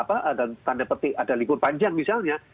ada tanda petik ada libur panjang misalnya